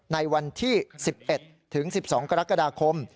ในวันที่๑๑ถึง๑๒กรกฎาคม